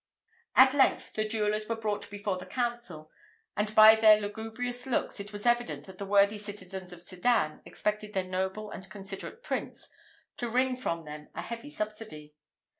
At length the jewellers were brought before the council; and by their lugubrious looks it was evident that the worthy citizens of Sedan expected their noble and considerate Prince to wring from them a heavy subsidy.